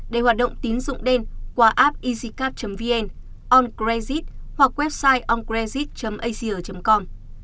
để hoạt động tín dụng đen qua app easycap vn oncredit hoặc website oncredit asia vn